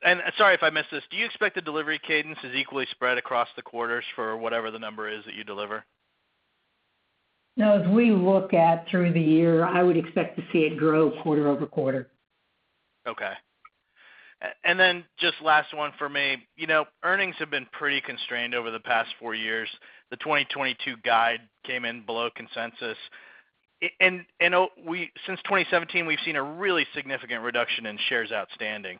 Right. Sorry if I missed this. Do you expect the delivery cadence is equally spread across the quarters for whatever the number is that you deliver? No. As we look at it through the year, I would expect to see it grow quarter-over-quarter. Okay. Just last one for me. You know, earnings have been pretty constrained over the past four years. The 2022 guide came in below consensus. Since 2017, we've seen a really significant reduction in shares outstanding.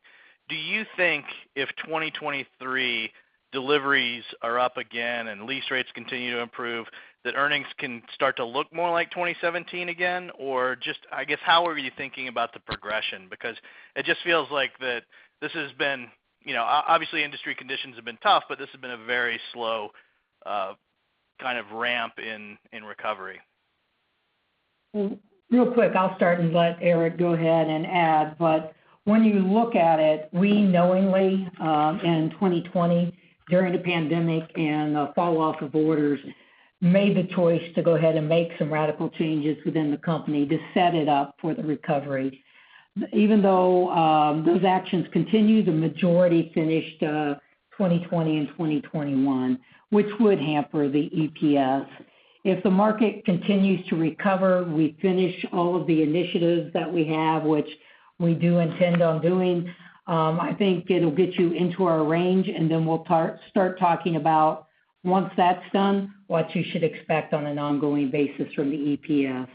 Do you think if 2023 deliveries are up again and lease rates continue to improve, that earnings can start to look more like 2017 again? Just, I guess, how are you thinking about the progression? Because it just feels like that this has been, you know, obviously industry conditions have been tough, but this has been a very slow kind of ramp in recovery. Well, real quick, I'll start and let Eric go ahead and add. When you look at it, we knowingly in 2020 during the pandemic and the fall off of orders made the choice to go ahead and make some radical changes within the company to set it up for the recovery. Even though those actions continue, the majority finished 2020 and 2021, which would hamper the EPS. If the market continues to recover, we finish all of the initiatives that we have, which we do intend on doing, I think it'll get you into our range, and then we'll start talking about once that's done, what you should expect on an ongoing basis from the EPS.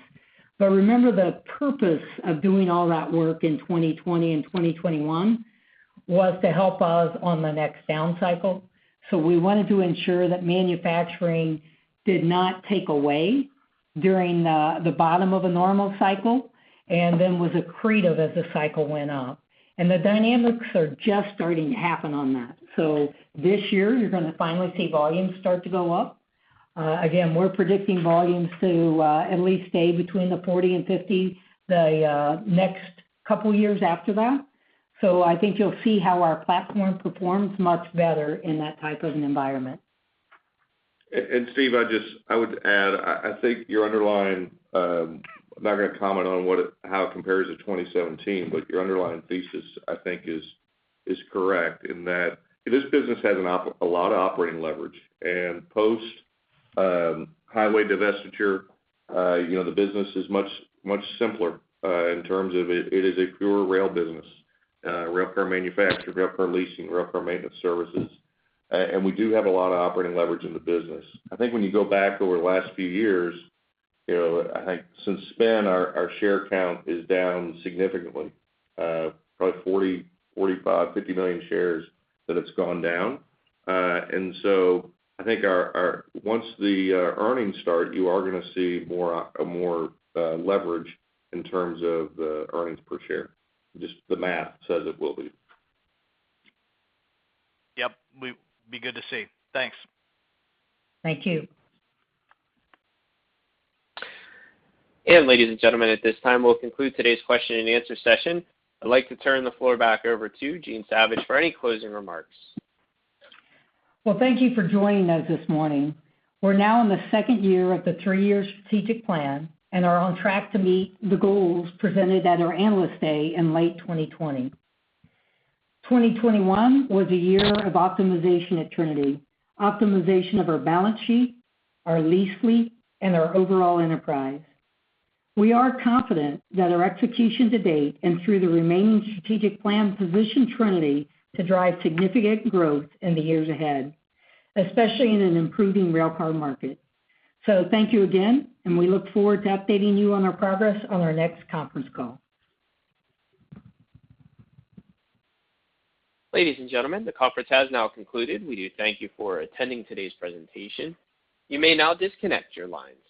Remember, the purpose of doing all that work in 2020 and 2021 was to help us on the next down cycle. We wanted to ensure that manufacturing did not take away during the bottom of a normal cycle and then was accretive as the cycle went up. The dynamics are just starting to happen on that. This year you're gonna finally see volumes start to go up. Again, we're predicting volumes to at least stay between the 40 and 50 the next couple years after that. I think you'll see how our platform performs much better in that type of an environment. Steve, I would add. I think your underlying, I'm not gonna comment on how it compares to 2017, but your underlying thesis, I think is correct in that this business has a lot of operating leverage. Post highway divestiture, you know, the business is much simpler in terms of it is a pure rail business, railcar manufacturer, railcar leasing, railcar maintenance services. We do have a lot of operating leverage in the business. I think when you go back over the last few years, you know, I think since spin, our share count is down significantly, probably 40, 45, 50 million shares that it's gone down. I think once the earnings start, you are gonna see more leverage in terms of the earnings per share. Just the math says it will be. Yep. Will be good to see. Thanks. Thank you. Ladies and gentlemen, at this time, we'll conclude today's question and answer session. I'd like to turn the floor back over to Jean Savage for any closing remarks. Well, thank you for joining us this morning. We're now in the second year of the three-year strategic plan and are on track to meet the goals presented at our Analyst Day in late 2020. 2021 was a year of optimization at Trinity, optimization of our balance sheet, our lease fleet, and our overall enterprise. We are confident that our execution to date and through the remaining strategic plan position Trinity to drive significant growth in the years ahead, especially in an improving railcar market. Thank you again, and we look forward to updating you on our progress on our next conference call. Ladies and gentlemen, the conference has now concluded. We do thank you for attending today's presentation. You may now disconnect your lines.